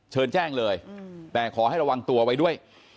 เชิญแจ้งเลยแต่ขอให้ระวังตัวไว้ด้วย